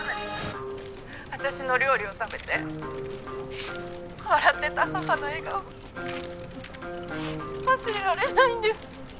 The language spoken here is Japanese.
私の料理を食べて笑ってた母の笑顔忘れられないんです。